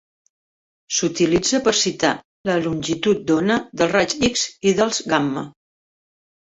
S'utilitza per citar la longitud d'ona dels raigs X i dels gamma.